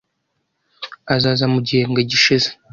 Azaza mu gihembwe gishize.